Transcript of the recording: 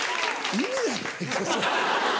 犬やないかそれ。